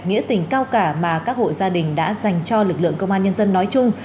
nghĩa tình cao cả mà các hộ gia đình đã dành cho lực lượng công an nhân dân nói chung